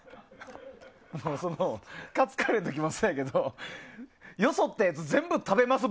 カツカレーの時もそうだけどよそったやつ全部食べます